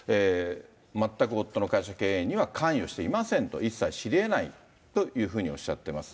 全く夫の会社経営には関与していませんと、一切知りえないというふうにおっしゃってます。